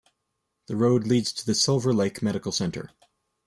The road leads to the Silver Lake Medical Center.